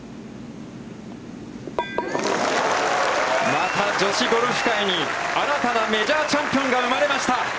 また女子ゴルフ界に、新たなメジャーチャンピオンが生まれました。